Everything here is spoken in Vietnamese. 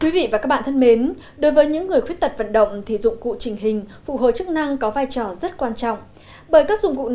quý vị và các bạn thân mến đối với những người khuyết tật vận động thì dụng cụ chỉnh hình phục hồi chức năng có vai trò rất quan trọng bởi các dụng cụ chỉnh hình